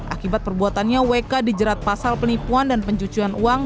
akibat perbuatannya wk dijerat pasal penipuan dan pencucian uang